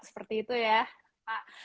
seperti itu ya pak